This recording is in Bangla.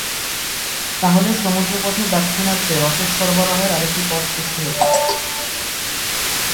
তাহলে সমুদ্রপথে দাক্ষিণাত্যে রসদ সরবরাহের আরেকটি পথ সৃষ্টি হতো।